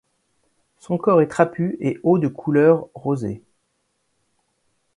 Son corps est trapu et haut de couleur rosée.